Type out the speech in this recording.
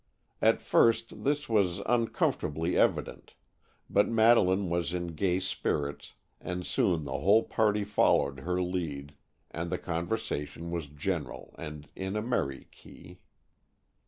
At first this was uncomfortably evident, but Madeleine was in gay spirits, and soon the whole party followed her lead, and the conversation was general and in a merry key.